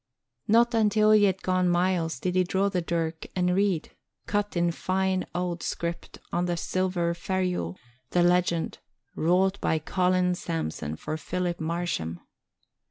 Not until he had gone miles did he draw the dirk and read, cut in fine old script on the silver ferule, the legend, Wrought by Colin Samson for Philip Marsham.